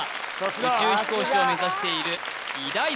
宇宙飛行士を目指している医大生です